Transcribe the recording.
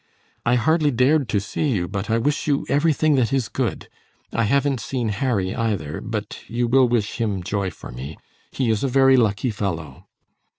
I hardly dared to see you, but I wish you everything that is good. I haven't seen Harry either, but you will wish him joy for me. He is a very lucky fellow."